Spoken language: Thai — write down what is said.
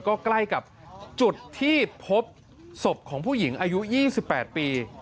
ก็ใกล้กับจุดที่พบศพของผู้หญิงอายุ๒๘ปี